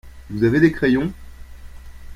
Vous avez des crayons ?